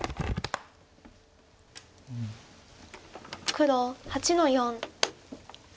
黒８の四。